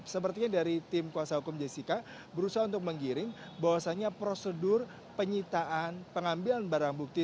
sepertinya dari tim kuasa hukum jessica berusaha untuk menggiring bahwasannya prosedur penyitaan pengambilan barang bukti